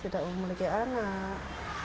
tidak memiliki anak